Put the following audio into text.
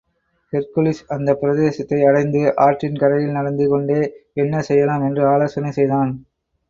Hercules அந்தப் பிரதேசத்தை அடைந்து, ஆற்றின் கரையில் நடந்து கொண்டே, என்ன செய்யலாம்? என்று ஆலோசனை செய்தான்.